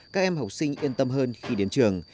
các em học sinh yên tâm hơn khi đến trường